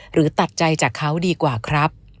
หรือตัดใจจากเขาดีกว่าครับ